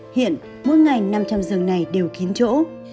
hiện mỗi ngày năm trăm linh giường này đều kín chỗ